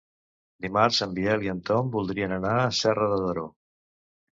Dimarts en Biel i en Tom voldrien anar a Serra de Daró.